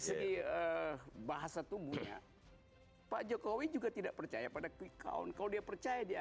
segi bahasa tumbuhnya pak jokowi juga tidak percaya pada quick count kalau dia percaya dia